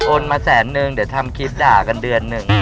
โอนมาแสนนึงเดี๋ยวต้องช่วยกันเดือนหนึ่ง